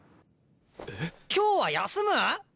えっ？今日は休む！？